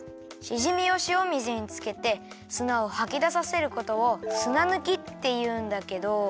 しじみをしお水につけてすなをはきださせることをすなぬきっていうんだけど。